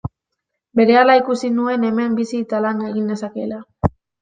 Berehala ikusi nuen hemen bizi eta lan egin nezakeela.